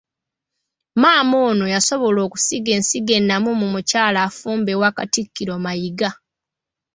Maama ono ye yasobola okusiga ensigo ennamu mu mukyala afumba ewa Katikkiro Mayiga.